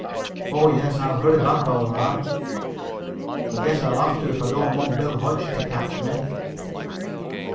"Oh, yes, I'll hurry back all right! Guess I'll have to if I don't want Bill Hodge to catch me."